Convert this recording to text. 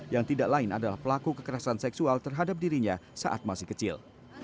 yang tidak lain adalah pelaku kekerasan seksual terhadap dirinya saat masih kecil